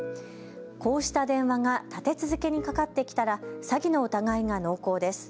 こうした電話が立て続けにかかってきたら詐欺の疑いが濃厚です。